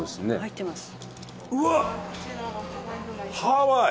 ハワイ！